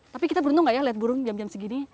tapi kita beruntung gak ya lihat burung jam jam segini